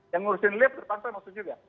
yang ngurusin lift terpaksa masuk juga